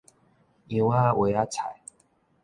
羊仔萵仔菜